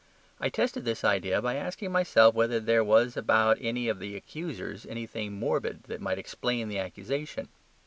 I tested this idea by asking myself whether there was about any of the accusers anything morbid that might explain the accusation.